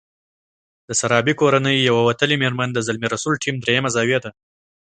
د سرابي کورنۍ يوه وتلې مېرمن د زلمي رسول ټیم درېيمه زاویه ده.